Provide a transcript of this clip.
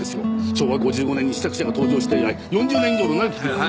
昭和５５年に試作車が登場して以来４０年以上の長きにわたって。